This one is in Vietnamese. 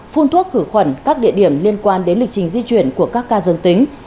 phun thuốc khử khuẩn các địa điểm liên quan đến lịch trình di chuyển của các ca dương tính